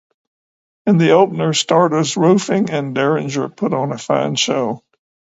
In the opener, starters Ruffing and Derringer put on a fine show.